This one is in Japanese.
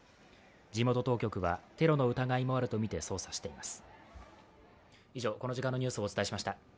地元当局はテロの疑いもあるとみて捜査しています。